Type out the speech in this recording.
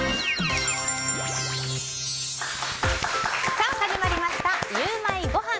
さあ、始まりましたゆウマいごはん。